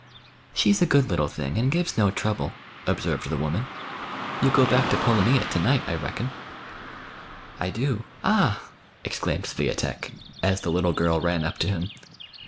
" She's a good little thing, and gives no trouble," observed the woman. " You go back to Polomyja to night, I reckon." I do — ah !" exclaimed Swiatek, as the little girl ran up to him.